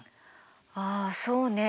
あそうね。